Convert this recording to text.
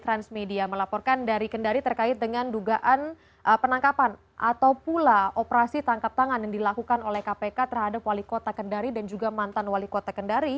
transmedia melaporkan dari kendari terkait dengan dugaan penangkapan atau pula operasi tangkap tangan yang dilakukan oleh kpk terhadap wali kota kendari dan juga mantan wali kota kendari